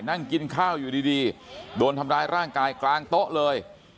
นั่งกินข้าวอยู่ดีโดนทำร้ายร่างกายกลางโต๊ะเลย